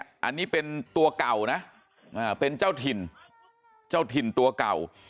อันนี้เป็นตัวเก่านะเป็นเจ้าถิ่นเจ้าถิ่นตัวเก่า